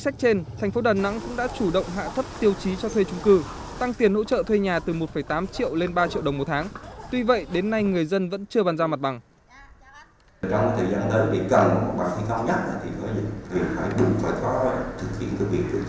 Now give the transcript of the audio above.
thành phố đà nẵng đã đề ra mức khung hỗ trợ cho từng loại hồ sơ cụ thể